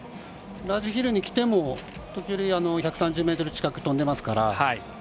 ラージヒルにきても時折１３０ｍ近く飛んでますから。